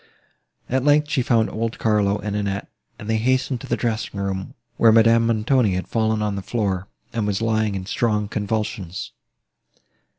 At length she found old Carlo and Annette, and they hastened to the dressing room, where Madame Montoni had fallen on the floor, and was lying in strong convulsions.